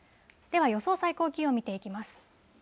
では、予想最高気温見ていきます。